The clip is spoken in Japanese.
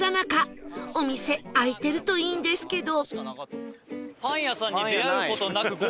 お店開いてるといいんですけど